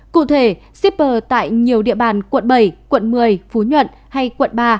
cụ thể shipper tại nhiều địa bàn quận bảy quận một mươi phú nhuận hay quận ba